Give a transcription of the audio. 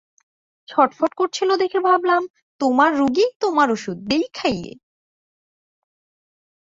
ছটফট করছিল দেখে ভাবলাম, তোমার রুগী তোমার ওষুধ, দিই খাইয়ে!